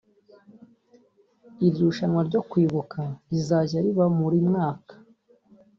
Iri rushanwa ryo kwibuka rizajya riba muri mwaka